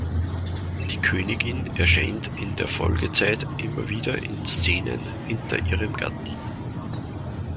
Die Königin erscheint in der Folgezeit immer wieder in Szenen hinter ihrem Gatten.